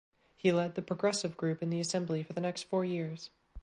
He led the Progressive group in the assembly for the next four years.